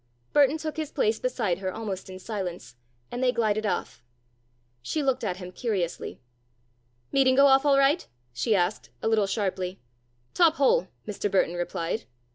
Burton took his place beside her almost in silence, and they glided off. She looked at him curiously. "Meeting go off all right?" she asked, a little sharply. "Top hole," Mr. Burton replied.